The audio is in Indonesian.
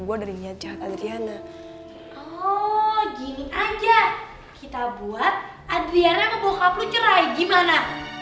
gue dari nyat jahat adriana oh gini aja kita buat adriana bokap lu cerai gimana